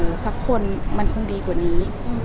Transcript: สักคนมันคงดีกว่านี้